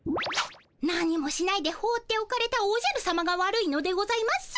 何もしないでほうっておかれたおじゃるさまが悪いのでございます。